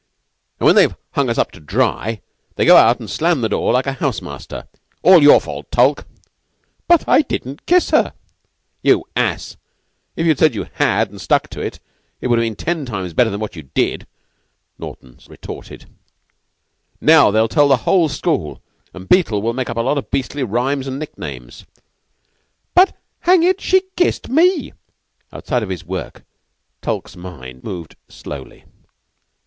And when they've hung us up to dry, they go out and slam the door like a house master. All your fault, Tulke." "But I didn't kiss her." "You ass! If you'd said you had and stuck to it, it would have been ten times better than what you did," Naughten retorted. "Now they'll tell the whole school and Beetle'll make up a lot of beastly rhymes and nick names." "But, hang it, she kissed me!" Outside of his work, Tulke's mind moved slowly.